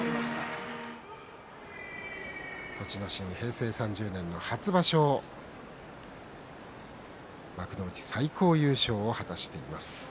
平成３０年の初場所幕内最高優勝を果たしています。